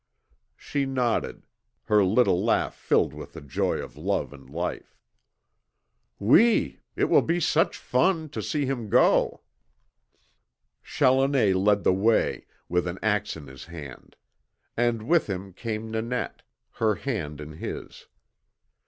She nodded, her little laugh filled with the joy of love and life. "Oui. It will be such fun to see him go!" Challoner led the way, with an axe in his hand; and with him came Nanette, her hand in his.